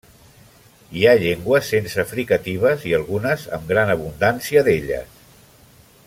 Hi ha llengües sense fricatives i algunes amb gran abundància d'elles.